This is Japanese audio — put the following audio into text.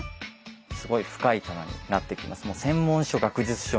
すごい深い棚になってきます。